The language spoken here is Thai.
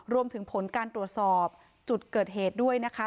รวมถึงผลการตรวจสอบจุดเกิดเหตุด้วยนะคะ